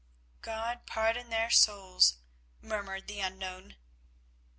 "God pardon their souls," murmured the unknown.